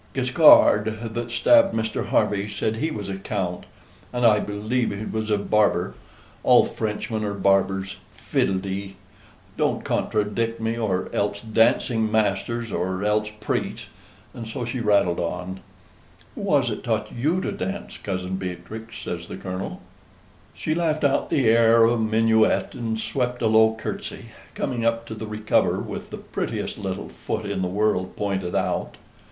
Guiscard, that stabbed Mr. Harvey, said he was a count; and I believe he was a barber. All Frenchmen are barbers Fiddledee! don't contradict me or else dancing masters, or else priests." And so she rattled on. "Who was it taught YOU to dance, Cousin Beatrix?" says the Colonel. She laughed out the air of a minuet, and swept a low curtsy, coming up to the recover with the prettiest little foot in the world pointed out.